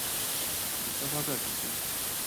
取消發票獎金